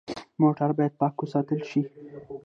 موټر باید پاک وساتل شي.